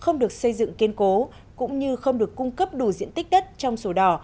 không được xây dựng kiên cố cũng như không được cung cấp đủ diện tích đất trong sổ đỏ